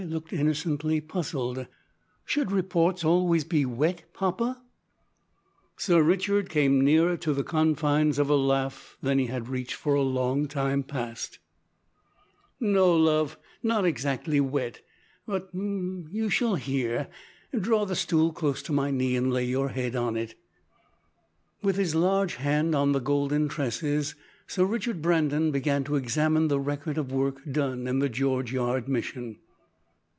Di looked innocently puzzled. "Should reports always be wet, papa?" Sir Richard came nearer to the confines of a laugh than he had reached for a long time past. "No, love not exactly wet, but hm you shall hear. Draw the stool close to my knee and lay your head on it." With his large hand on the golden tresses, Sir Richard Brandon began to examine the record of work done in the George Yard Mission.